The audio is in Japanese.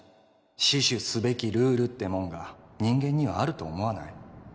死守すべきルールってもんが人間にはあると思わない？